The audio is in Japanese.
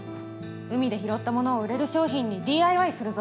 海で拾ったものを売れる商品にＤＩＹするぞ。